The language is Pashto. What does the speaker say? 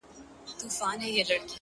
تا په لڅه سينه ټوله زړونه وړي;